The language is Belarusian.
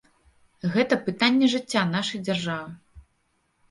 Гэта пытанне жыцця нашай дзяржавы.